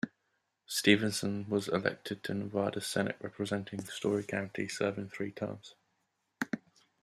Stevenson was elected to Nevada Senate representing Storey County, serving three terms.